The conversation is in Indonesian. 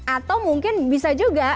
atau mungkin bisa juga